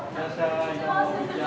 こんにちは。